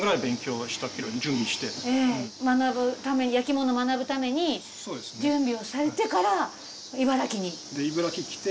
焼き物を学ぶために準備をされてから茨城に。